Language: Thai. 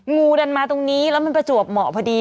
งูดันมาตรงนี้แล้วมันประจวบเหมาะพอดี